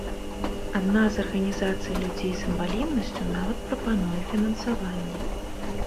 Адна з арганізацый людзей з інваліднасцю нават прапануе фінансаванне.